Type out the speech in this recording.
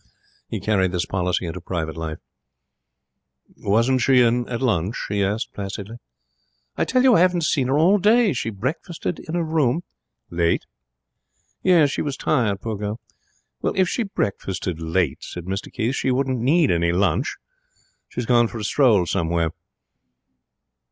He carried this policy into private life. 'Wasn't she in at lunch?' he asked, placidly. 'I tell you I haven't seen her all day. She breakfasted in her room ' 'Late?' 'Yes. She was tired, poor girl.' 'If she breakfasted late,' said Mr Keith, 'she wouldn't need any lunch. She's gone for a stroll somewhere.'